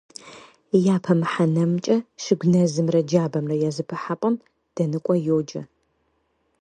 Япэ мыхьэнэмкӀэ щыгу нэзымрэ джабэмрэ я зэпыхьэпӀэм дэныкӀуэ йоджэ.